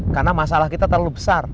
karena masalah kita terlalu besar